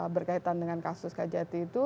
berkaitan dengan kasus kajati itu